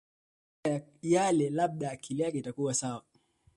Mazingira yale labda akili yake itakuwa sawa